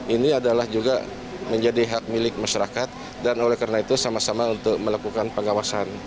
ini adalah juga menjadi hak milik masyarakat dan oleh karena itu sama sama untuk melakukan pengawasan